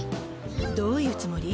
どういうつもり？